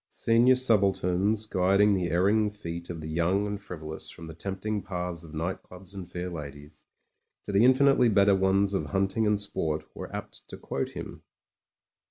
Senior subalterns guiding the erring feet of the young and frivolous from the tempting paths of night clubs and fair ladies, to the infinitely better ones of hunting and sport, were apt to quote him.